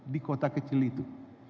di kota kecil itu